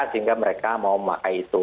sehingga mereka mau memakai itu